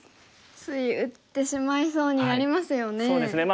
つい打ってしまいそうになりますよね。